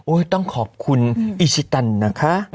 ต้องขอบคุณอิชิตันนะคะ